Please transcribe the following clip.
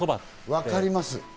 分かります。